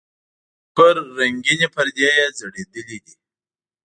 د ټوکر رنګینې پردې یې ځړېدلې دي.